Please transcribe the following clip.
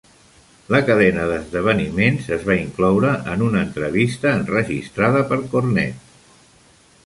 La cadena d'esdeveniments es va incloure en una entrevista enregistrada per Cornette.